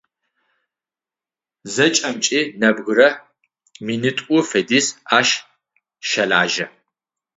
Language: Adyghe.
Зэкӏэмкӏи нэбгырэ минитӏу фэдиз ащ щэлажьэ.